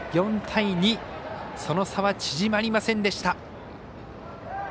４対２その差は縮まりませんでした。